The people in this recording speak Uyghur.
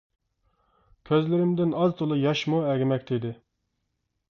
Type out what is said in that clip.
كۆزلىرىمدىن ئاز تولا ياشمۇ ئەگىمەكتە ئىدى.